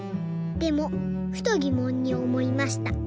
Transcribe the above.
でもふとぎもんにおもいました。